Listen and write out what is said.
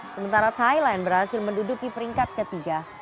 sementara thailand berhasil menduduki peringkat ketiga